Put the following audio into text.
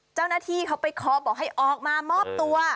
เจ้าหน้าที่เขาไปคอบอกให้ออกมามอบตัว